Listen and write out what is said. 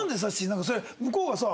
なんかそれ向こうがさ